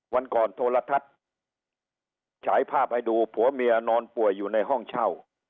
วันก่อนโทรทัศน์ฉายภาพให้ดูผัวเมียนอนป่วยอยู่ในห้องเช่า